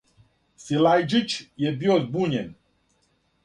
Силајџић је био збуњен.